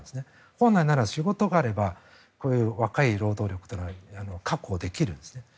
本来なら仕事があれば若い労働力というのは確保できるんですね。